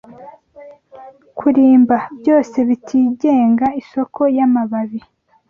kuririmba Byose bitigenga isoko yamababi